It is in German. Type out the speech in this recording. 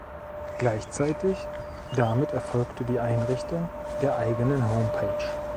Gleichzeitig damit erfolgte die Einrichtung der eigenen Homepage.